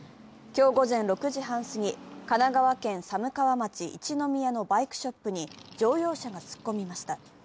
今日午前６時半すぎ、神奈川県寒川町一之宮のバイクショップに乗用車が突っ込みました。